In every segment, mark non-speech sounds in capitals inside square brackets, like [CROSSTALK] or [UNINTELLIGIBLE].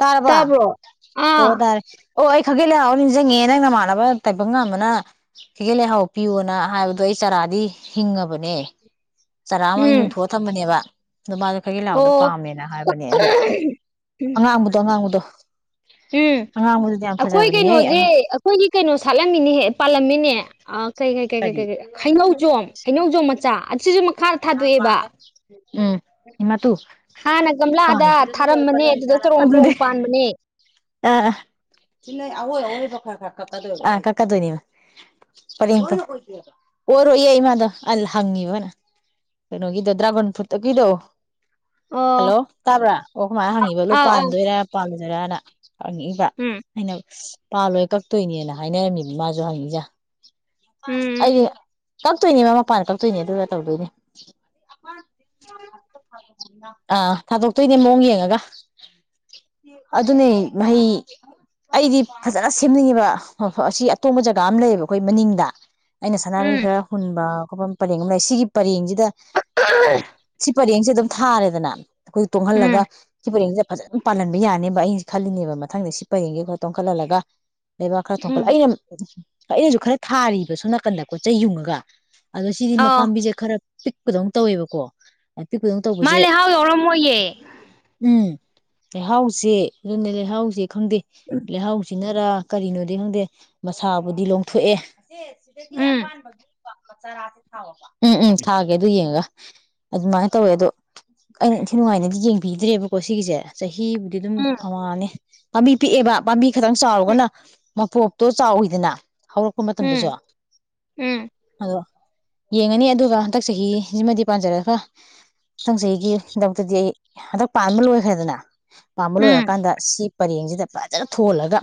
ꯇꯥꯔꯕ ꯇꯥꯕ꯭ꯔꯣ ꯑꯣ ꯑꯣ ꯑꯥ ꯇꯔꯦ ꯑꯣ ꯑꯩ ꯈꯥꯒꯦꯜ ꯂꯩꯍꯥꯎ ꯍꯥꯏꯔꯒ ꯅꯤꯡꯁꯤꯡꯉꯒꯑꯦ ꯅꯪ ꯅꯃꯥꯟꯅꯕ ꯇꯥꯏꯕꯪ ꯉꯝꯕꯅ ꯈꯥꯒꯦꯜ ꯂꯩꯍꯥꯎ ꯄꯤꯌꯣꯅ ꯍꯥꯏꯕꯗꯣ ꯑꯩ ꯆꯥꯔꯥꯗꯤ ꯍꯤꯡꯉꯕꯅꯦ ꯆꯔꯥ ꯑꯃ ꯑꯩꯅ ꯎꯝ ꯌꯨꯡꯊꯣꯛꯑ ꯊꯝꯕꯅꯦꯕ ꯑꯗꯣ ꯃꯥꯗꯣ ꯈꯥꯒꯦꯜ ꯂꯥꯎꯗꯣ ꯑꯣ ꯄꯥꯝꯃꯦꯅ ꯍꯥꯏꯕꯅꯦ ꯑꯗꯣ ꯎꯝ ꯑꯉꯥꯡꯕꯗꯣ ꯑꯉꯥꯡꯕꯗꯣ ꯑꯉꯥꯡꯕꯗꯨꯗꯤ ꯌꯥꯝ ꯑꯩꯈꯣꯏ ꯐꯖꯕꯅꯦꯍꯦ ꯀꯩꯅꯣꯁꯦ ꯑꯉꯥꯡ ꯑꯩꯈꯣꯏꯒꯤ ꯀꯩꯅꯣ ꯁꯥꯠꯂꯝꯃꯤꯅꯦ ꯄꯥꯜꯂꯝꯃꯤꯅꯦ ꯑꯥ ꯀꯩ ꯀꯩ ꯀꯩ ꯀꯔꯤ ꯀꯩ ꯀꯩ ꯈꯩꯅꯧ ꯖꯣꯝ ꯍꯩꯅꯧꯖꯣꯝ ꯃꯆꯥ ꯑꯁꯤꯁꯨ ꯃꯈꯥꯗ ꯌꯥꯝ ꯊꯥꯗꯣꯛꯑꯦꯕ ꯄꯜꯂꯦ ꯃꯥ ꯇꯨ ꯍꯥꯟꯅ ꯒꯝꯂꯥꯗ ꯊꯥꯔꯝꯕꯅꯦ ꯑꯗꯨꯗ ꯆꯔꯣꯡ ꯆꯔꯣꯡ ꯄꯥꯟꯕꯅꯦ ꯑꯆꯤꯂꯩꯑꯑꯣꯏ ꯑꯑꯣꯏꯕ ꯈꯥꯔꯥ ꯈꯥꯔꯥ ꯑꯥ ꯀꯛꯀꯥꯗꯣꯏꯅꯦꯕ ꯄꯔꯦꯡ ꯄ ꯑꯣꯏꯔꯣꯌꯦ ꯏꯃꯥꯗꯣ ꯑꯜ ꯍꯪꯉꯤꯕꯃꯥꯅꯥ ꯀꯩꯅꯣꯒꯤꯗꯣ ꯗ꯭ꯔꯥꯒꯟ ꯐꯨꯠ ꯇꯒꯤꯗꯣ ꯑꯣ ꯍꯜꯂꯣ ꯇꯥꯕ꯭ꯔꯥ ꯑꯣ ꯑꯩꯗꯣꯏ ꯏꯃꯥꯅ ꯍꯪꯉꯤꯕ ꯂꯣꯏ ꯑꯥꯎ ꯑꯥꯎ ꯄꯥꯟꯗꯣꯏꯔꯥꯥ ꯄꯥꯜꯂꯣꯏ ꯔꯅ ꯍꯪꯉꯛꯏꯕ ꯎꯝ ꯑꯩꯅ ꯄꯥꯜꯂꯣꯏ ꯀꯛꯇꯣꯏꯅꯦꯅ ꯍꯥꯏꯅꯔꯝꯃꯤꯅꯤ ꯃꯥꯁꯨ ꯍꯪꯉꯤꯁꯦ ꯎꯝ ꯑꯩ ꯀꯛꯇꯣꯏꯅꯦ ꯃꯥ ꯃꯄꯥꯟꯗ ꯀꯛꯇꯣꯏꯅꯦ ꯑꯗꯨꯒ ꯇꯧꯗꯣꯏꯅꯦ [INAUDIBLE] ꯑꯥ ꯊꯥꯗꯣꯛꯇꯣꯏꯅꯦ ꯃꯑꯣꯡ ꯌꯦꯡꯉꯒ ꯑꯗꯨꯅꯦ ꯃꯍꯩ ꯑꯩꯗꯤ ꯐꯖꯅ ꯁꯦꯝꯅꯤꯡꯉꯤꯕ ꯃꯐꯝ ꯑꯁꯤ ꯑꯇꯣꯡꯕ ꯖꯒꯥ ꯑꯃ ꯂꯩꯌꯦꯕ ꯑꯩꯈꯣꯏ ꯃꯅꯤꯡꯗ ꯑꯩꯅ ꯁꯥꯟꯅꯔꯩ ꯎꯝ ꯈꯔ ꯍꯨꯟꯕ ꯃꯐꯝ ꯄꯔꯦꯡ ꯑꯃ ꯂꯩ ꯁꯤꯒꯤ ꯄꯔꯦꯡꯖꯤꯗ [UNINTELLIGIBLE] ꯄꯔꯦꯡꯁꯦ ꯑꯗꯨꯝ ꯊꯥꯔꯦꯗꯅ ꯑꯩꯈꯣꯏ ꯇꯣꯡꯍꯜꯂꯒ ꯎꯝ ꯁꯤ ꯄꯔꯦꯡ ꯐꯖꯅ ꯄꯥꯜꯍꯟꯕ ꯌꯥꯔꯅꯤꯕ ꯑꯩ ꯈꯜꯂꯤꯅꯦꯕ ꯃꯊꯪꯗ ꯁꯤ ꯄꯔꯦꯡꯁꯦ ꯈꯔ ꯇꯣꯡꯈꯠꯍꯜꯂꯒ ꯂꯩꯕꯥꯛ ꯈꯔ ꯊꯣꯛꯒꯠꯂ ꯎꯝ ꯑꯩꯅ ꯑꯩꯅꯁꯨ ꯈꯔ ꯊꯥꯔꯤꯕ ꯁꯣꯝ ꯅꯥꯀꯟꯗ ꯄꯣꯠ ꯆꯩ ꯌꯨꯡꯉꯒ ꯑꯗꯣ ꯁꯤꯗꯤ ꯃ ꯑꯥꯎ ꯄꯥꯝꯕꯤꯁꯦ ꯈꯔ ꯄꯤꯛꯄꯗꯧ ꯇꯧꯋꯦꯕꯀꯣ ꯄꯤꯛꯄꯗꯧ ꯃꯥ ꯇꯧꯕꯁꯦ ꯂꯩꯍꯥꯎ ꯌꯥꯎꯔꯝꯃꯣꯏꯌꯦ ꯂꯩꯍꯥꯎꯆꯦ ꯌꯨꯝꯗꯅꯦ ꯍꯧꯖꯤꯛ ꯊꯨꯝꯗꯤ ꯎꯝ ꯂꯩꯍꯥꯎꯁꯤ ꯁꯤꯅꯔꯥ ꯀꯔꯤꯅꯣꯗꯤ ꯈꯪꯗꯦ ꯃꯁꯥꯕꯨꯗꯤ ꯂꯣꯡꯊꯣꯛꯑꯦ ꯁꯤꯗꯒꯤ ꯎꯝ ꯑꯄꯥꯟꯕꯒꯤ ꯎꯝ ꯎꯝ ꯊꯥꯒꯦ ꯑꯗꯨ ꯌꯦꯡꯉꯒ ꯑꯗꯨꯃꯥꯏꯅ ꯇꯧꯋꯦ ꯑꯗꯣ ꯑꯩꯅ ꯏꯊꯤ ꯅꯨꯡꯉꯥꯏꯅꯗꯤ ꯌꯦꯡꯕꯤꯗ꯭ꯔꯦꯕꯀꯣ ꯁꯤꯒꯤꯁꯦ ꯆꯍꯤꯕꯨꯗꯤ ꯑꯗꯨꯝ ꯑꯝꯃꯅꯤ ꯄꯥꯝꯕꯤ ꯄꯤꯛ ꯑꯦꯕ ꯄꯥꯝꯕꯤ ꯈꯇꯪ ꯆꯥꯎꯔꯒꯅ ꯃꯄꯣꯞꯇꯣ ꯆꯥꯎꯋꯤꯗꯅ ꯍꯧꯔꯛꯄ ꯃꯇꯝꯗꯁꯨ ꯎꯝ ꯎꯝ ꯑꯗꯁꯨ ꯌꯦꯡꯉꯅꯤ ꯑꯗꯨꯒ ꯍꯟꯗꯛ ꯆꯍꯤꯁꯤꯃꯗꯤ ꯄꯥꯟꯖꯔꯒ ꯃꯊꯪ ꯆꯖꯤꯒꯤꯗꯃꯛꯇꯗꯤ ꯑꯩ ꯍꯟꯗꯛ ꯄꯥꯟꯕ ꯂꯣꯏꯈ꯭ꯔꯦꯗꯅ ꯄꯥꯟꯕ ꯎꯝ ꯂꯣꯏꯔ ꯁꯤ ꯄꯔꯦꯡꯁꯤꯗ ꯐꯖꯟꯅ ꯊꯣꯜꯂꯒ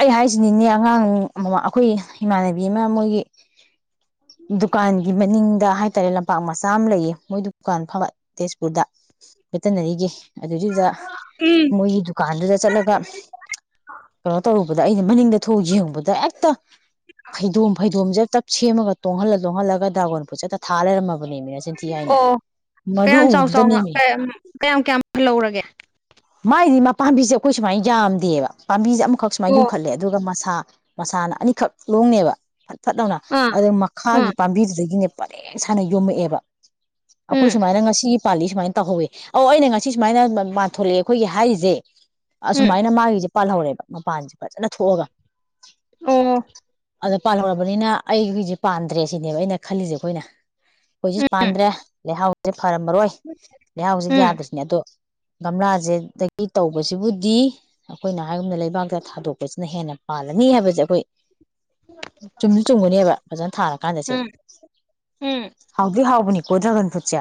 ꯑꯩ ꯍꯥꯏꯁꯤꯅꯤꯅꯦ ꯑꯉꯥꯡ ꯑꯩꯈꯣꯏ ꯏꯃꯥꯟꯅꯕꯤ ꯑꯃ ꯃꯣꯏꯒꯤ ꯗꯨꯀꯥꯟꯒꯤ ꯃꯅꯤꯡ ꯗ ꯍꯥꯏꯇꯥꯔꯦ ꯂꯝꯄꯥꯛ ꯃꯆꯥ ꯑꯃ ꯂꯩꯌꯦ ꯃꯣꯏꯗꯨ ꯗꯨꯀꯥꯟ ꯐꯝꯕ ꯇꯦꯖꯄꯨꯔꯗ ꯚꯦꯇꯤꯅꯔꯤꯒꯤ ꯎꯝ ꯃꯤꯒꯤ ꯗꯨꯀꯥꯟꯗꯨꯗ ꯆꯠꯂꯒ ꯀꯩꯅꯣ ꯇꯧꯔꯨꯕꯗ ꯑꯩꯅ ꯃꯅꯤꯡ ꯗ ꯊꯣꯛꯑ ꯌꯦꯡꯎꯕꯗ ꯍꯦꯛꯇ ꯐꯩꯗꯣꯝ ꯐꯩꯗꯣꯝꯁꯦ ꯍꯦꯛꯇ ꯁꯦꯝꯃꯒ ꯇꯣꯡꯍꯜꯂ ꯇꯣꯡꯍꯜꯂꯒ ꯗ꯭ꯔꯥꯒꯣꯟ ꯐꯔꯨꯠꯁꯦ ꯍꯦꯛꯇ ꯊꯥ ꯂꯩꯔꯝꯃꯕ ꯑꯣ ꯀꯌꯥꯝ ꯆꯥꯎ ꯆꯥꯎꯅ ꯎꯕꯗꯨꯗꯅꯦꯃꯤ ꯀꯌꯥꯝ ꯀꯌꯥꯝ ꯐꯜꯍꯧꯔꯒꯦ ꯃꯥꯏꯗꯤ ꯃꯥ ꯄꯥꯝꯕꯤꯁꯦ ꯑꯩꯈꯣꯏ ꯁꯨꯃꯥꯏꯅ ꯌꯥꯝꯗꯦꯕ ꯄꯥꯝꯕꯤꯁꯦ ꯑꯃꯈꯛ ꯁꯨꯃꯥꯏ ꯑꯣ ꯌꯨꯝꯈꯠꯂꯦ ꯑꯗꯨꯒ ꯃꯁꯥ ꯃꯁꯥꯅ ꯑꯅꯤꯈꯛ ꯂꯣꯡꯅꯤꯕ ꯐꯠ ꯂꯥꯎꯅ ꯑꯥ ꯑꯗꯒꯤ ꯎꯝ ꯃꯈꯥꯒꯤ ꯄꯥꯝꯕꯤꯖꯤꯗꯒꯤꯅꯦ ꯄꯔꯦꯡ ꯁꯥꯅ ꯌꯣꯝꯃꯛ ꯑꯦꯕ ꯑꯩꯈꯣꯏ ꯎꯝ ꯁꯨꯃꯥꯏꯅ ꯉꯁꯤ ꯄꯥꯜꯂꯤ ꯁꯨꯃꯥꯏꯅ ꯇꯧꯍꯧꯋꯦ ꯑꯩꯅ ꯉꯁꯤ ꯁꯨꯃꯥꯏꯅ ꯃꯥꯟꯊꯣ ꯂꯛꯑꯦ ꯑꯩꯈꯣꯏꯒꯤ ꯍꯥꯏꯔꯤꯁꯦ ꯎꯝ ꯑꯁꯨꯃꯥꯏꯅ ꯃꯥꯒꯤꯁꯦ ꯄꯥꯜꯍꯧꯔꯦꯕ ꯃꯄꯥꯟꯁꯦ ꯐꯖꯟꯅ ꯊꯣꯛ ꯑꯒ ꯎꯝ ꯑꯗ ꯄꯥꯜ ꯍꯧꯔꯕꯅꯤꯅ ꯑꯩ ꯒꯤꯁꯦ ꯄꯥꯟꯗ꯭ꯔꯦ ꯁꯤꯅꯦꯕ ꯑꯩꯅ ꯈꯜꯂꯤꯁꯦ ꯑꯩꯈꯣꯏꯅ ꯑꯩꯈꯣꯏꯁꯨ ꯎꯝ ꯄꯥꯟꯗ꯭ꯔꯦ ꯂꯩꯍꯥꯎ ꯐꯔꯝ ꯃꯔꯣꯏ ꯂꯩꯍꯥꯎꯖꯤ ꯎꯝ ꯌꯥꯗ꯭ꯔꯤꯁꯤꯅꯦ ꯑꯗꯣ ꯚꯝꯂꯥ ꯖꯦ ꯑꯗꯒꯤ ꯇꯧꯕꯁꯤꯕꯨꯗꯤ ꯑꯩꯈꯣꯏꯅ ꯍꯥꯏꯒꯨꯝꯅ ꯂꯩꯕꯥꯛꯇ ꯊꯥꯗꯣꯛ ꯁꯤꯅ ꯍꯦꯟꯅ ꯄꯥꯜꯂꯅꯤ ꯍꯥꯏꯕꯁꯦ ꯑꯩꯈꯣꯏ ꯆꯨꯝꯁꯨ ꯆꯨꯝꯒꯅꯦꯕ ꯐꯖꯅ ꯊꯥꯔ ꯀꯥꯟꯗꯁꯦ ꯎꯝ ꯎꯝ ꯍꯥꯎꯗꯤ ꯍꯥꯎꯕꯅꯤ ꯀꯣ ꯗ꯭ꯔꯥꯏꯒꯟ ꯐ꯭ꯔꯨꯠꯁꯦ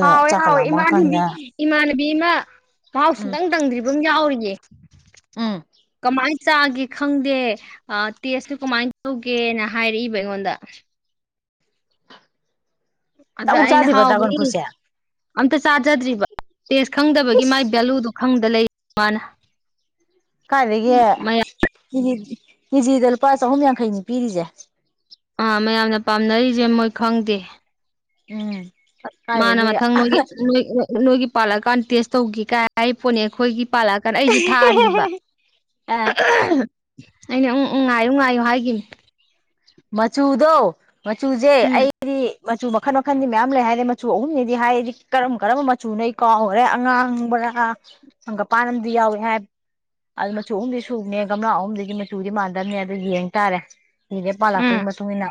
ꯍꯥꯎꯢ ꯆꯥꯛꯀ ꯍꯥꯎꯏ ꯏꯃꯥꯟꯅꯕꯤ ꯂꯥꯝꯃꯛꯑꯀꯥꯟꯗ ꯏꯃꯥꯟꯅꯕꯤ ꯑꯃ ꯃꯍꯥꯎ ꯎꯝ ꯁꯨꯨꯛꯇꯪ ꯇꯪꯗ꯭ꯔꯤꯕ ꯑꯃ ꯌꯥꯎꯔꯤꯌꯦ ꯎꯝ ꯀꯃꯥꯏ ꯆꯥꯒꯦ ꯈꯪꯗꯦ ꯇꯦꯁꯇꯨ ꯀꯃꯥꯏꯅ ꯇꯧꯒꯦꯅ ꯍꯥꯏꯔꯛꯏꯕ ꯑꯩꯉꯣꯟꯗ ꯑꯗ ꯆꯥꯕꯨꯛ ꯑꯩꯅ ꯆꯥꯗ꯭ꯔꯤꯕ ꯗ꯭ꯔꯥꯒꯣꯟ ꯍꯥꯎꯕꯗꯤ ꯐ꯭ꯔꯨꯠꯁꯦ ꯑꯝꯇ ꯆꯥꯖꯗ꯭ꯔꯤꯕ ꯇꯦꯁ ꯈꯪꯗꯕꯒꯤ ꯏꯁ ꯃꯥꯥꯏ ꯚꯦꯂꯨꯗꯣ ꯈꯪꯗ ꯂꯩ ꯃꯥꯅ ꯀꯥꯏꯗꯒꯤ ꯎꯝ, ꯃꯌꯥꯝ ꯀꯦꯖꯤ ꯀꯦꯖꯤꯗ ꯂꯨꯄꯥ ꯆꯍꯨꯝ ꯌꯥꯡꯈꯩꯅꯤ ꯄꯤꯔꯤꯁꯦ ꯑꯥ ꯃꯌꯥꯝꯅ ꯄꯥꯝꯅꯔꯤꯁꯦ ꯃꯣꯏ ꯈꯪꯗꯦ ꯎꯝ ꯃꯥꯅ ꯀꯥꯏꯗꯒꯤ ꯃꯊꯪ ꯅꯣꯏꯒꯤ ꯅꯣꯢ ꯅꯣ ꯅꯣꯏꯒꯤ ꯄꯥꯜ ꯂꯛ ꯀꯥꯟꯗ ꯇꯦꯁ ꯇꯧꯒꯦ ꯀꯥꯏ ꯍꯥꯏ ꯄꯣꯠꯅꯤ ꯑꯩꯈꯣꯏꯒꯤ ꯄꯥꯜꯂꯛꯇꯅ ꯑꯩꯁꯨ ꯊꯥꯔꯤꯕ ꯑꯦ ꯑꯩꯅ ꯎꯝ ꯎꯝ ꯉꯥꯏꯌꯨ ꯉꯥꯏꯌꯨ ꯍꯥꯏꯈꯤꯕꯅꯦ ꯃꯆꯨꯗꯣ ꯃꯆꯨꯁꯦ ꯎꯝ ꯑꯩꯗꯤ ꯃꯆꯨ ꯃꯈꯟ ꯃꯈꯟꯗꯤ ꯃꯌꯥꯝ ꯂꯩ ꯍꯥꯏ ꯃꯆꯨ ꯑꯍꯨꯝꯅꯤꯗꯤ ꯍꯥꯏ ꯀꯔꯝ ꯀꯔꯝꯕ ꯃꯆꯨꯅꯣꯗꯤ ꯑꯩ ꯀꯥꯎꯔꯦ ꯑꯉꯥꯡꯕꯔꯥ ꯖꯪꯒꯥꯝꯄꯥꯟ ꯑꯃꯗꯤ ꯌꯥꯎꯏ ꯍꯥꯏ ꯑꯗꯨ ꯃꯆꯨ ꯑꯍꯨꯝꯗꯤ ꯁꯨꯨꯕꯅꯤ ꯒꯝꯂꯥ ꯑꯗꯨꯒꯤ ꯃꯆꯨꯗꯤ ꯃꯥꯟꯅꯗꯕꯅꯤ ꯑꯗꯣ ꯌꯦꯡ ꯇꯥꯔꯦ ꯄꯥꯜ ꯎꯝ ꯂꯥꯛꯄꯒꯤ ꯃꯇꯨꯡ ꯏꯟꯅ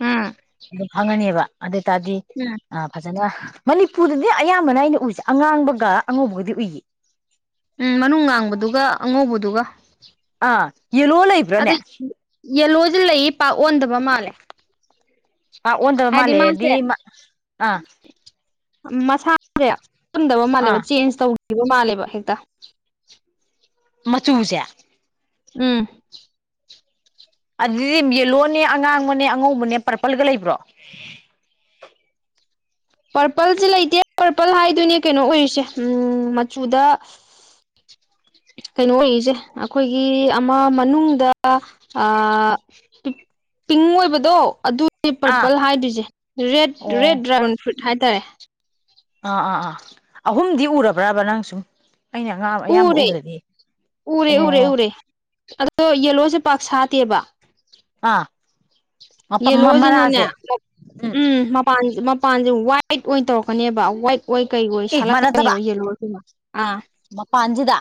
ꯎꯝ ꯑꯗꯨꯝ ꯈꯪꯉꯅꯤꯕ ꯑꯗ ꯇꯗꯤ ꯎꯝ ꯐꯖꯟꯅ ꯃꯅꯤꯄꯨꯔꯗꯗꯤ ꯑꯌꯥꯝꯕꯅ ꯑꯩꯅ ꯎꯏꯁꯦ ꯑꯉꯥꯡꯕꯒ ꯑꯉꯧꯕꯒꯗꯤ ꯎꯏꯌꯦ ꯎꯝ ꯃꯅꯨꯡ ꯉꯥꯡꯕꯗꯨꯒ ꯑꯉꯧꯕꯗꯨꯒ ꯍꯥꯥ ꯌꯦꯂꯣ ꯂꯩꯕ꯭ꯔꯥꯅꯦ ꯌꯦꯜꯂꯣꯖꯦ ꯂꯩꯌꯦ ꯄꯥꯛ ꯑꯣꯟꯗꯕ ꯃꯥꯜꯂꯦ ꯑꯣꯟꯗꯕ ꯍꯥꯏꯗꯤ ꯃꯥꯜꯂꯦꯗꯤ ꯃꯥꯁꯦ ꯑꯥ ꯃꯁꯥꯥꯁꯦ ꯄꯨꯝꯗꯕ ꯃꯥꯜꯂꯦꯕ ꯑꯥ ꯆꯦꯟꯖ ꯇꯧ ꯂꯩꯕ ꯃꯥꯜꯂꯦꯕ ꯍꯦꯛꯇ ꯃꯆꯨꯁꯦ ꯎꯝ ꯑꯗꯨꯗꯤ ꯌꯦꯜꯂꯣꯅꯦ ꯑꯉꯥꯡꯕꯅꯦ ꯑꯉꯧꯕꯅꯦ ꯄꯔꯄꯜꯒ ꯂꯩꯕ꯭ꯔꯣ ꯄꯔꯄꯜꯁꯦ ꯂꯩꯇꯦ ꯄꯔꯄꯜ ꯍꯥꯏꯗꯨꯅꯦ ꯀꯩꯅꯣ ꯑꯣꯏꯔꯤꯁꯦ ꯎꯝ ꯃꯆꯨꯗ ꯀꯩꯅꯣ ꯑꯣꯏꯔꯤꯁꯦ ꯑꯈꯣꯏꯒꯤ ꯑꯃ ꯃꯅꯨꯡꯗ ꯑꯥ ꯄꯤꯡ ꯑꯣꯏꯕꯗꯣ ꯑꯗꯨ ꯑꯥ ꯄꯔꯄꯜ ꯍꯥꯏꯗꯣꯏꯁꯦ ꯔꯦꯠ ꯑꯣ ꯔꯦꯠ ꯗ꯭ꯔꯥꯒꯟ ꯐꯨꯔꯠ꯭ ꯍꯥꯏ ꯇꯔꯦ ꯑꯥ ꯑꯥ ꯑꯥ ꯑꯍꯨꯝꯗꯤ ꯎꯔꯕ꯭ꯔꯕ ꯅꯪ ꯁꯨꯝ ꯑꯩꯅ ꯑꯉ ꯑꯌꯥꯝꯕ ꯎꯔꯦ ꯎꯕꯗꯗꯤ ꯎꯔꯦ ꯎꯔꯦ ꯑꯣ ꯎꯔꯦ ꯑꯗꯣ ꯌꯦꯜꯂꯣꯁꯦ ꯄꯥꯛ ꯁꯥꯠꯇꯦꯕ ꯑꯥ ꯌꯦꯂꯣꯁꯤꯅꯅꯦ ꯃꯅꯥꯁꯦ ꯎꯝ ꯃꯄꯥꯟ ꯃꯄꯥꯟꯖꯨ ꯋꯥꯏꯠ ꯑꯣꯏꯅ ꯇꯧꯔꯛꯀꯅꯦꯕ ꯋꯥꯏꯠ ꯑꯣꯏ ꯀꯩ ꯑꯣꯏ ꯁꯥꯂꯛꯀꯗꯣꯏꯅꯦꯕ ꯌꯦꯜꯂꯣꯗꯨꯅ ꯑꯥ ꯃꯥꯄꯥꯟꯁꯤꯗ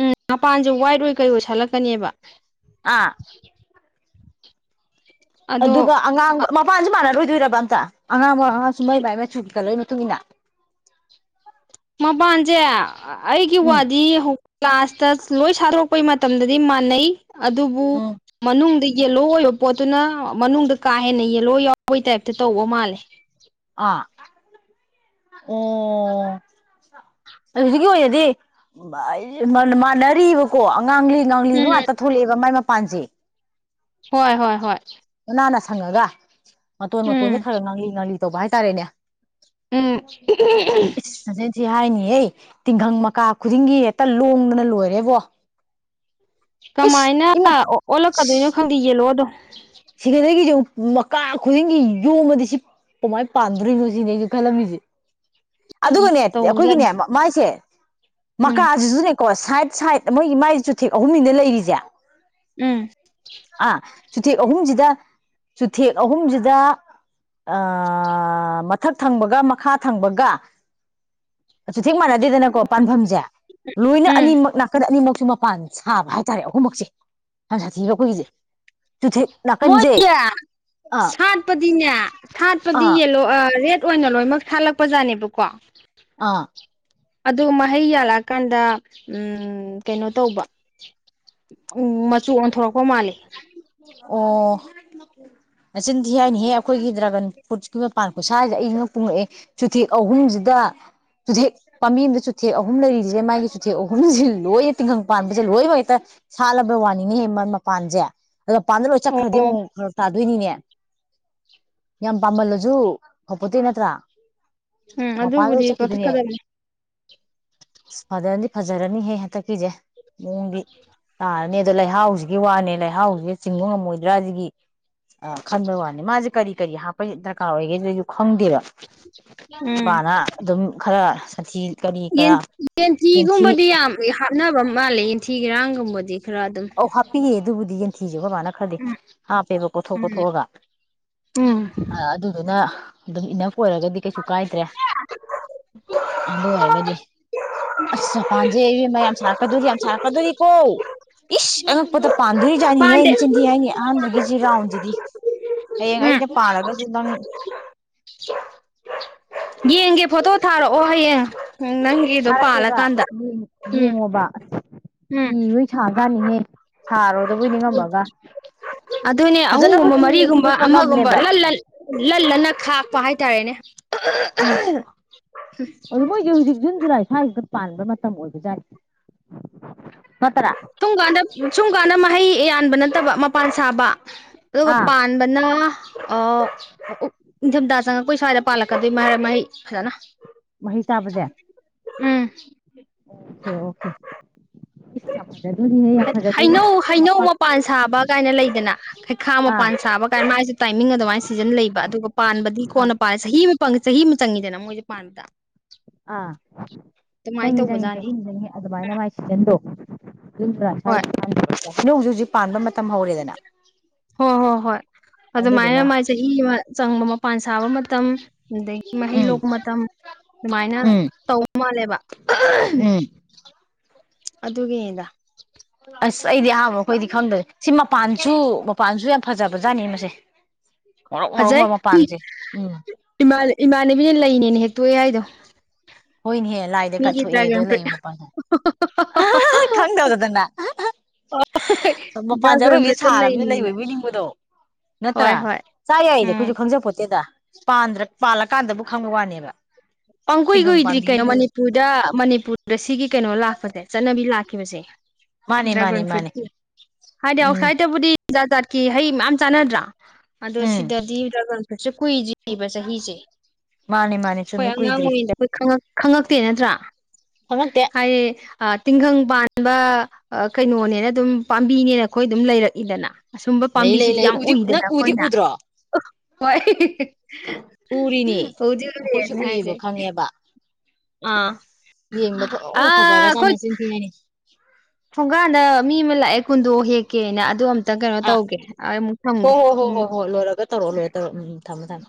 ꯎꯝ ꯃꯄꯥꯟꯁꯨ ꯋꯥꯏꯠ ꯑꯣꯏ ꯀꯩ ꯑꯣꯏ ꯁꯥꯠꯂꯛꯀꯅꯤꯕ ꯑꯥ ꯑꯗꯣ ꯑꯗꯨꯒ ꯑꯉꯥꯡ ꯃꯄꯥꯟꯁꯦ ꯃꯥꯟꯅꯔꯣꯏ ꯗꯨꯏꯔꯕ ꯑꯝꯇ ꯑꯉꯥꯡꯕ ꯑꯉꯥ ꯁꯨꯃꯩ ꯄꯥꯏꯕ ꯁꯨꯠ ꯀꯂꯔ [UNINTELLIGIBLE] ꯃꯄꯥꯟꯁꯦ ꯑ ꯑꯩꯒꯤ ꯎꯝ ꯋꯥꯗꯤ ꯍꯧ ꯂꯥꯁꯇ ꯂꯣꯏ ꯁꯥꯠꯇꯣꯔꯛꯄꯩ ꯃꯇꯝꯗꯗꯤ ꯃꯥꯟꯅꯩ ꯑꯗꯨꯕꯨ ꯎꯝ ꯃꯅꯨꯡꯗꯒꯤ ꯌꯦꯂꯣ ꯑꯣꯏꯕ ꯄꯣꯠꯇꯨꯅ ꯃꯅꯨꯡꯗ ꯀꯥ ꯍꯦꯟꯅ ꯌꯦꯜꯂꯣ ꯌꯥꯎꯕꯩ ꯇꯥꯏꯞꯇ ꯇꯧꯕ ꯃꯥꯜꯂꯦ ꯑꯥ ꯑꯣ ꯑꯗꯨꯗꯒꯤ ꯑꯣꯏꯅꯗꯤ ꯃꯥꯟꯅꯔꯤꯕꯀꯣ ꯉꯥꯡꯂꯤ ꯉꯥꯡꯂꯤꯕ ꯎꯝ ꯉꯥꯛꯇ ꯊꯣꯛꯂꯑꯦꯕ ꯃꯥꯏ ꯃ ꯄꯥꯟꯖꯤ ꯍꯣꯏ ꯍꯣꯏ ꯍꯣꯏ ꯃꯥꯅ ꯁꯪꯉꯒ ꯃꯇꯣꯟ ꯃꯇꯣꯟꯖꯦ ꯎꯝ ꯈꯔ ꯈꯔ ꯉꯥꯡꯂꯤ ꯇꯧꯕ ꯍꯥꯏꯇꯥꯔꯦꯅꯦ ꯎꯝ ꯍꯨꯝ ꯍꯨꯝ ꯍꯦ ꯇꯤꯡꯒꯪ ꯃꯀꯥ ꯈꯨꯗꯤꯡꯒꯤ ꯇ ꯂꯣꯡꯗꯅ ꯂꯣꯏꯔꯦꯕꯣ ꯏꯁ ꯀꯃꯥꯏꯅ ꯏꯃꯥꯏ ꯑꯣꯜꯂꯛꯀꯗꯣꯏꯅꯣ ꯈꯪꯗꯦ ꯌꯦꯜꯂꯣꯗꯣ [INAUDIBLE] ꯁꯤꯀꯟꯗꯔꯒꯤꯁꯦ ꯑꯃꯨꯛ ꯃꯀꯥ ꯈꯨꯗꯤꯡꯒꯤ ꯌꯣꯝꯃꯗꯤ ꯁꯤ ꯀꯃꯥꯏ ꯄꯥꯟꯗꯣꯔꯤꯅꯣ ꯁꯤꯅꯦ ꯑꯩꯩꯖꯦ ꯈꯜꯂꯝꯃꯤꯖꯦ ꯑꯗꯨꯒꯅꯦ ꯇꯧꯕꯖꯥꯠꯅꯤ ꯑꯩꯈꯣꯏꯒꯤꯅꯦ ꯃꯥꯏꯁꯦ ꯎꯝ ꯃꯀꯥꯖꯤꯖꯨꯅꯦ ꯀꯣ ꯁꯥꯏꯠ ꯁꯥꯏꯠ ꯃꯣꯏꯒꯤ ꯃꯥꯏ ꯆꯨꯊꯦꯛ ꯑꯍꯨꯝꯅꯤꯅ ꯂꯩꯔꯤꯖꯦ ꯎꯝ ꯆꯨꯊꯦꯛ ꯑꯍꯨꯝꯖꯤꯗ ꯆꯨꯊꯦꯛ ꯑꯍꯨꯝꯖꯤꯗ ꯑꯑ ꯃꯊꯛ ꯊꯪꯕꯒ ꯃꯈꯥ ꯊꯪꯕꯒ ꯆꯦꯛ ꯃꯥꯟꯅꯗꯦꯗꯅꯀꯣ ꯄꯥꯟꯕꯝꯁꯦ ꯂꯣꯏꯅ ꯎꯝ ꯑꯅꯤꯃꯛ ꯅꯥꯀꯟ ꯑꯅꯤꯃꯛ ꯃꯄꯥꯟ ꯁꯥꯕ ꯍꯥꯏꯇꯥꯔꯦ ꯑꯍꯨꯝꯃꯛꯆꯦ ꯌꯥꯝ ꯁꯥꯊꯤꯕ ꯑꯩꯈꯣꯏꯒꯤꯖꯦ ꯃꯣꯏꯒꯤ ꯑꯥ ꯁꯥꯠꯄꯗꯤꯅꯦ ꯁꯥꯠꯄꯗꯤ ꯑꯥ ꯌꯦꯜꯂꯣ ꯑ ꯔꯦꯗ ꯑꯣꯏꯅ ꯂꯣꯏꯃꯛ ꯁꯥꯠꯂꯄꯖꯥꯠꯅꯦ ꯂꯨꯀꯣ ꯑꯥ ꯑꯗꯣ ꯃꯍꯩ ꯌꯥꯜꯂꯛꯑꯀꯥꯟꯗ ꯎꯝ ꯀꯩꯅꯣ ꯇꯧꯕ ꯎꯝ ꯃꯆꯨ ꯑꯣꯟꯊꯣꯔꯛ ꯄ ꯃꯥꯜꯂꯦ ꯑꯣ ꯅꯆꯤꯟꯊꯤ ꯍꯥꯏꯅꯤꯍꯦ ꯑꯩꯈꯣꯏꯒꯤ ꯗ꯭ꯔꯒꯟ ꯐꯨꯠꯀꯤ ꯃꯄꯥꯟ ꯈꯨꯠꯁꯥꯖꯦ ꯑꯩ ꯉꯛꯄꯨ ꯉꯛꯑꯦ ꯆꯨꯊꯦꯛ ꯑꯍꯨꯝꯖꯤꯗ ꯆꯨꯊꯦꯛ ꯄꯥꯝꯕꯤ ꯑꯃꯗ ꯆꯨꯊꯦꯛ ꯑꯍꯨꯝ ꯂꯩꯔꯤꯖꯦ ꯃꯥꯒꯤ ꯆꯨꯊꯦꯛ ꯑꯍꯨꯝꯖꯦ ꯂꯣꯏꯅ ꯇꯤꯡꯒꯪ ꯄꯥꯟꯕꯁꯦ ꯂꯣꯏꯃꯛ ꯍꯦꯛꯇ ꯁꯥꯠꯂꯕ ꯋꯥꯅꯤꯅꯦ ꯃ ꯄꯥꯟꯖꯦ ꯑꯗꯣ ꯄꯥꯟꯗ ꯂꯣꯏ ꯆꯠꯀ꯭ꯔꯗꯤ ꯑꯣ ꯐꯔꯛ ꯇꯥ ꯗꯣꯏꯅꯤꯅꯦ ꯌꯥꯝ ꯄꯥꯝꯃꯜꯂꯖꯨ ꯐꯄꯣꯇꯦ ꯅꯠꯇ꯭ꯔꯥ ꯎꯝ ꯃꯄꯥꯟꯗ ꯑꯗꯨꯕꯨꯗꯤ ꯆꯠꯈꯤꯗꯣꯏꯅꯦ ꯀꯛꯊꯠꯀꯗꯕꯅꯦ ꯑꯁ ꯐꯖꯅꯗꯤ ꯐꯖꯔꯅꯤꯍꯦ ꯍꯟꯇꯛꯀꯤꯖꯦ ꯃꯑꯣꯡꯗꯤ ꯇꯥꯔꯅꯤ ꯂꯩꯍꯥꯎꯁꯦ ꯋꯥꯅꯦ ꯂꯩꯍꯥꯎꯖꯤ ꯆꯤꯡꯕ ꯉꯝꯃꯣꯏꯗ꯭ꯔꯥ ꯑꯁꯤꯒꯤ ꯑ ꯈꯟꯕ ꯋꯥꯅꯤ ꯃꯥꯁꯦ ꯀꯔꯤ ꯀꯔꯤ ꯍꯥꯞꯄ ꯗꯔꯀꯥꯔ ꯑꯣꯏꯒꯦ ꯗꯨꯁꯨ ꯈꯪꯗꯦꯕ ꯎꯝ ꯅꯨꯄꯥꯅ ꯑꯗꯨꯝ ꯈꯔ ꯁꯟꯊꯤ ꯀꯔꯤ ꯀꯔꯥ ꯌꯦꯟ ꯌꯦꯟꯊꯤ ꯑꯅꯕ ꯃꯥꯜꯂꯦ ꯌꯦꯟꯊꯤ ꯌꯦꯟꯔꯥꯡꯒꯨꯝꯕꯗꯤ ꯑꯧ ꯍꯥꯞꯄꯤꯌꯦ ꯑꯗꯨꯕꯨꯗꯤ ꯌꯦꯟꯊꯤꯖꯦ ꯑꯩꯈꯣꯏ ꯃꯥꯅ ꯈꯔꯗꯤ ꯍꯥꯞꯄꯦꯕ ꯀꯣꯊꯣꯛ ꯎꯝ ꯀꯣꯊꯣꯛ ꯑꯒ ꯎꯝ ꯑꯗꯨꯗꯨꯅ ꯑꯗꯨꯝ ꯏꯅꯞ ꯑꯣꯏꯔꯒꯗꯤ ꯀꯩꯁꯨ ꯀꯥꯏꯗꯦ ꯗꯔꯦ ꯑꯗꯨ ꯑꯣꯏꯔꯒꯗꯤ ꯑꯁ ꯃꯄꯥꯟꯁꯦ ꯏꯕꯦꯝꯃꯥ ꯌꯥꯝ ꯁꯥꯔꯛ ꯀꯗꯧꯔꯤ ꯌꯥꯝ ꯁꯥꯔꯛꯀꯗꯧꯔꯤ ꯀꯣ ꯏꯁ ꯑꯉꯛꯄꯗ ꯄꯥꯟꯗꯧꯔꯤ ꯥꯖꯥꯠꯅꯤꯍꯦ ꯄꯥꯟꯗꯦ ꯅꯆꯤꯟ ꯊꯤ ꯍꯥꯏꯅꯤ ꯑꯍꯥꯟꯕꯒꯤꯁꯤꯗꯤ ꯁꯤ ꯔꯥꯎꯟꯖꯤꯗꯤ ꯍꯌꯦꯡ ꯎꯝ ꯑꯩꯅ ꯄꯥꯜꯂꯒꯁꯨ ꯅꯪ [INAUDIBLE] ꯌꯦꯡꯒꯦ ꯐꯣꯇꯣ ꯊꯥꯔꯛꯑꯣ ꯍꯌꯦꯡ ꯅꯪꯒꯤꯗꯣ ꯊꯔꯛꯀꯦꯕ ꯄꯥꯜꯂꯀꯥꯟꯗ ꯎꯝ ꯌꯦꯡꯉꯣꯕ ꯎꯝ ꯑꯨꯝ ꯂꯣꯏ ꯁꯥ ꯖꯦꯠꯅꯤꯍꯦ ꯑꯗꯨꯅꯦ ꯑꯍꯨꯝꯒꯨꯝꯕ ꯐꯖꯅꯕꯨꯗꯤ ꯃꯔꯤꯒꯨꯝꯕ ꯑꯩꯈꯣꯏꯁꯨ ꯑꯃꯒꯨꯝꯕ ꯍꯣꯠꯅꯕꯅꯦꯕ ꯂꯟ ꯂꯟ ꯂꯟ ꯂꯟꯅ ꯊꯥꯎ ꯄꯥ ꯍꯥꯏ ꯇꯥꯔꯦꯅꯦ ꯎꯝ ꯑꯗꯨ ꯃꯣꯏꯖꯤ ꯍꯧꯖꯤꯛ ꯖꯨꯟ ꯖꯨꯂꯥꯏ ꯁ꯭ꯋꯥꯏꯁꯤꯗ ꯄꯥꯟꯕ ꯃꯇꯝ ꯃꯇꯝ ꯑꯣꯏꯕ ꯖꯠꯅꯤ ꯁꯨꯝ ꯀꯥꯟꯗ ꯁꯨꯝ ꯀꯥꯟꯗ ꯃꯍꯩ ꯌꯥꯟꯕ ꯅꯠꯇꯕ ꯃꯄꯥꯟ ꯁꯥꯕ ꯑꯗꯨꯒ ꯑꯥ ꯄꯥꯟꯕꯅ ꯑꯣ ꯅꯤꯡꯊꯝꯊꯥ ꯆꯪꯉꯛꯄꯩ ꯁ꯭ꯋꯥꯏꯗ ꯄꯥꯜꯂꯛ ꯀꯅꯤ ꯃꯍꯩ ꯐꯖꯟꯅ ꯃꯍꯩ ꯆꯥꯕꯁꯦ ꯎꯝ ꯑꯣꯀꯦ ꯑꯣꯀꯦ ꯏꯁ ꯌꯥꯝ ꯐꯖꯗꯣꯔꯤꯍꯦ ꯌꯥꯝ ꯐꯖꯗꯣꯔꯤ ꯍꯩꯅꯧ ꯍꯩꯅꯧ ꯃꯄꯥꯟ ꯁꯥꯕ ꯀꯥꯏꯅ ꯂꯩꯗꯅ ꯈꯩꯈꯥ ꯑꯥ ꯃꯄꯥꯟ ꯁꯥꯕ ꯀꯥꯏꯅ ꯃꯥꯏꯁꯨ ꯇꯥꯏꯃꯤꯡ ꯑꯗꯨꯃꯥꯏꯅ ꯁꯤꯖꯟ ꯂꯩꯕ ꯑꯗꯨꯒ ꯄꯥꯟꯕꯗꯤ ꯑꯥ ꯀꯣꯟꯅ ꯄꯥꯜꯂꯦ ꯆꯍꯤ ꯆꯍꯤ ꯑꯃ ꯆꯪꯉꯤꯗꯅ ꯃꯣꯏꯁꯦ ꯄꯥꯟꯕꯗ ꯑꯥ ꯑꯗꯨꯃꯥꯏꯅ ꯆꯪꯉꯤ ꯆꯪꯏ ꯆꯪꯏ ꯇꯧꯕꯖꯥꯠꯅꯤ ꯆꯍꯤ ꯑꯃ ꯆꯪꯏ ꯑꯗꯨꯃꯥꯏꯅ ꯃꯥꯏ ꯁꯤꯖꯟꯗꯣ [UNINTELLIGIBLE] ꯍꯣꯏ ꯍꯩꯅꯧꯖꯨ ꯍꯧꯖꯤꯛ ꯄꯥꯟꯕ ꯃꯇꯝ ꯍꯧꯔꯦꯗꯅ ꯍꯣꯏ ꯍꯣ ꯍꯣꯏ ꯑꯗꯨꯃꯥꯏꯅ ꯑꯗꯨꯗꯨꯅ ꯃꯥꯥꯏ ꯆꯍꯤ ꯑꯃ ꯆꯪꯕ ꯃꯄꯥꯟ ꯁꯥꯕ ꯃꯇꯝ ꯑꯗꯒꯤ ꯃꯍꯩ ꯎꯝ ꯂꯣꯛꯄ ꯃꯇꯝ ꯑꯗꯨꯃꯥꯏꯅ ꯎꯝ ꯇꯧꯕ ꯃꯥꯜꯂꯦꯕ ꯎꯝ ꯑꯗꯨꯒꯤꯅꯤꯗ ꯑꯁ ꯑꯩꯗꯤ ꯑꯍꯥꯟꯕ ꯑꯩꯈꯣꯏꯗꯤ ꯈꯪꯗꯦ ꯁꯤ ꯃꯄꯥꯟꯖꯨ ꯃꯄꯥꯟꯖꯨ ꯌꯥꯝ ꯐꯖꯕ ꯖꯥꯠꯅꯤ ꯃꯁꯦ ꯉꯧꯔꯣꯛ ꯉꯧꯔꯣꯛ ꯐꯖꯩ ꯉꯧꯕ ꯃꯄꯥꯟꯁꯦ ꯎꯝ ꯏꯃꯥ ꯏꯃꯥꯟꯅꯕꯤꯅ ꯂꯩꯅꯦꯅ ꯍꯦꯛꯇꯣꯛꯑꯦ ꯍꯥꯏꯗꯣ ꯍꯣꯏꯅꯦꯍꯦ ꯂꯥꯏꯗ ꯃꯤꯒꯤ ꯀꯠꯊꯣꯛꯑꯦꯗꯣ ꯗ꯭ꯔꯥꯒꯟ ꯂꯩ ꯐ꯭ꯔꯨꯏꯠ ꯃꯄꯥꯟꯁꯦ ꯑ ꯍ ꯍ ꯍ ꯈꯪꯗꯧꯗꯗꯅ ꯍꯣꯏ ꯃꯄꯥꯟꯖꯦ ꯗ꯭ꯔꯥꯒꯟ ꯑꯔꯣꯏꯕꯤ ꯐ꯭ꯔꯨꯏꯠꯇ ꯁꯥꯔꯕꯅꯤꯅ ꯂꯩ ꯂꯩꯅꯦꯅ ꯑꯣꯢꯕꯣꯢ ꯅꯤꯡꯕꯗꯣ ꯅꯠꯇ꯭ꯔꯥ ꯍꯣꯏ ꯍꯣꯏ ꯆꯥ ꯌꯥꯏꯗꯤ ꯎꯝ ꯑꯩꯈꯣꯏꯁꯨ ꯈꯪꯖꯄꯣꯠꯇꯦꯗ ꯄꯥꯟꯗ꯭ꯔꯦ ꯄꯥꯜꯂꯀꯥꯟꯗꯕꯨ ꯈꯪꯕ ꯋꯥꯅꯦꯕ ꯄꯪ ꯀꯨꯏ ꯇꯤꯡꯈꯪ ꯀꯨꯏꯗ꯭ꯔꯤ ꯀꯩꯅꯣ ꯄꯥꯝꯕꯤꯁꯤꯗ ꯃꯅꯤꯄꯨꯔꯗ ꯃꯅꯤꯄꯨꯔꯗ ꯁꯤꯒꯤ ꯀꯩꯅꯣ ꯂꯥꯛꯄꯁꯦ ꯆꯠꯅꯕꯤ ꯂꯥꯛ ꯈꯤꯕꯁꯦ ꯃꯥꯅꯦ ꯃꯥꯅꯦ ꯗ꯭ꯔꯒꯟ ꯐ꯭ꯔꯨꯠ ꯃꯥꯅꯦ ꯍꯥꯏꯗꯤ ꯎꯝ ꯑꯥꯎꯠꯁꯥꯢꯠ ꯇꯕꯨꯗꯤ ꯖꯥ ꯖꯥꯠ ꯀꯤ ꯍꯩ ꯃꯌꯥꯝ ꯆꯥꯟꯅꯗ꯭ꯔꯥ ꯑꯗꯣ ꯎꯝ ꯁꯤꯗꯗꯤ ꯗ꯭ꯔꯥꯒꯟ ꯁꯨ ꯀꯨꯏꯗ꯭ꯔꯤꯕ ꯆꯍꯤꯖꯦ ꯃꯥꯅꯤ ꯃꯥꯅꯤ ꯍꯣꯏ ꯑꯉꯥꯡ ꯑꯣꯏꯔꯤꯗ ꯈꯣꯢ ꯈꯪꯉꯛ ꯈꯪꯉꯛꯇꯦ ꯅꯠꯇ꯭ꯔꯥ ꯈꯪꯉꯛꯇꯦ ꯍꯥꯏꯌꯦ ꯑ ꯇꯤꯡꯈꯪ ꯄꯥꯟꯕ ꯑ ꯀꯩꯅꯣꯅꯦꯅ ꯑꯗꯨꯝ ꯄꯥꯝꯕꯤꯅꯦꯅ ꯑꯩꯈꯣꯏ ꯑꯗꯨꯝ ꯂꯩꯔꯛꯏꯗꯅ ꯑꯁꯨꯝꯕ ꯂꯩ ꯂꯩ ꯄꯥꯝꯕꯤꯁꯤꯗꯤ ꯂꯩ ꯌꯥꯝ ꯎꯗꯤ ꯎꯏꯗꯅ ꯅꯪ ꯎꯗꯤ ꯑꯩꯈꯣꯏꯅ ꯎꯗ꯭ꯔꯣ ꯑꯣ ꯍꯣꯏ ꯍꯧꯖꯤꯛ ꯎꯏꯕ ꯍꯥꯏꯁꯦ ꯈꯪꯉꯦꯕ ꯑꯥ ꯌꯦꯡꯕ ꯊꯑꯣꯅ ꯑꯥ ꯈꯣꯢ ꯐꯖꯒ꯭ꯔꯖꯥꯠꯅꯤ ꯆꯤꯟꯊꯤ ꯍꯥꯏꯅꯤ ꯊꯨꯡꯒꯥꯟꯗ ꯃꯤ ꯃ ꯂꯥꯛꯑꯦ ꯀꯨꯟꯗꯣ ꯍꯦꯛ ꯀꯦꯅꯥ ꯑꯗꯨ ꯑꯝꯇ ꯀꯩꯅꯣ ꯑꯥ ꯇꯧꯒꯦ ꯑꯩ ꯑꯃꯨꯛ ꯍꯣ ꯊꯝꯒꯦ ꯍꯣ ꯍꯣ ꯎꯝ ꯍꯣ ꯍꯣ ꯂꯣꯏꯔꯒ ꯇꯧꯔꯛꯑꯣ ꯂꯣꯏꯔ ꯇꯧꯔꯣ ꯎꯝ ꯎꯝ ꯊꯝꯃꯦ ꯊꯝꯃꯦ